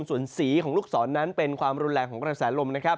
ส่วนสีของลูกศรนั้นเป็นความรุนแรงของกรสายลม